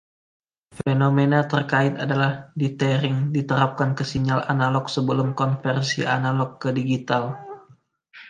Fenomena terkait adalah dithering diterapkan ke sinyal analog sebelum konversi analog ke digital.